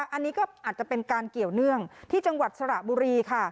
อันนี้ก็อาจจะเป็นการเกี่ยวเนื่องที่จังหวัดสระบุรีค่ะ